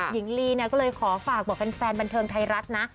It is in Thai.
หญิงลีก็เลยขอฝากแฟนบันเทิงไทยรัฐนะ